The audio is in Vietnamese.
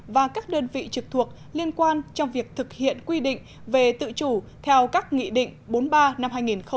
và các đơn vị trực thuộc liên quan trong việc thực hiện quy định về tự chủ theo các nghị định bốn mươi ba năm hai nghìn một mươi